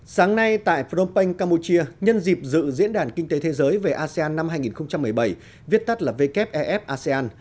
sáng nay tại phnom penh campuchia nhân dịp dự diễn đàn kinh tế thế giới về asean năm hai nghìn một mươi bảy viết tắt là wef asean